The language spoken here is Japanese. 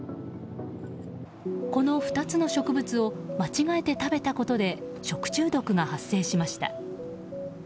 この２つの植物を間違えて食べたことで食中毒が発生しました。